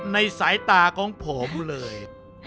ในสายตาของผมเลย